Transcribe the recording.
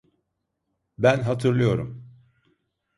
Ben hatırlıyorum.